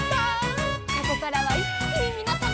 「ここからはいっきにみなさまを」